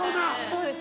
そうです。